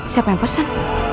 siapa yang pesan